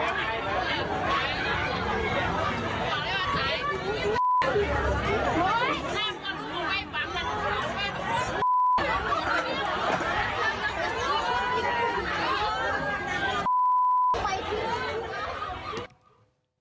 ตายตาย